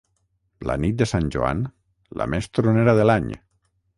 La nit de Sant Joan, la més tronera de l'any.